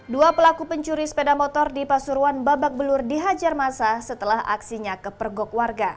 dua pelaku pencuri sepeda motor di pasuruan babak belur dihajar masa setelah aksinya kepergok warga